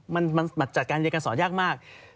มันจัดการเรียนการสอนยากมาก